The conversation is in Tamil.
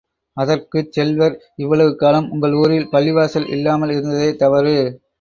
அதற்குச் செல்வர், இவ்வளவு காலம் உங்கள் ஊரில், பள்ளிவாசல் இல்லாமல் இருந்ததே தவறு.